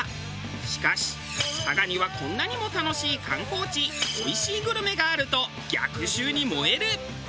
しかし「佐賀にはこんなにも楽しい観光地おいしいグルメがある」と逆襲に燃える！